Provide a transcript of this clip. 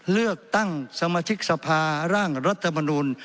เลือกตั้งสมาชิกสภาร่างรัฐมนุน